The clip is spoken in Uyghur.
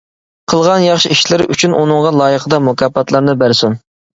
قىلغان ياخشى ئىشلىرى ئۈچۈن ئۇنىڭغا لايىقىدا مۇكاپاتلارنى بەرسۇن.